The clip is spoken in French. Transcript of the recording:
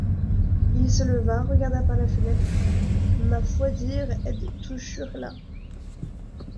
Il se leva, regarda par la fenêtre: — Ma foidire ed tuchurs là...